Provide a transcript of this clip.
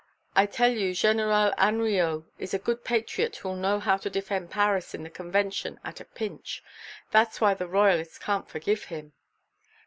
I tell you General Hanriot is a good patriot who'll know how to defend Paris and the Convention at a pinch. That's why the Royalists can't forgive him."